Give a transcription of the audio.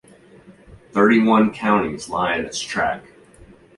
Thirty-one counties lie in its track.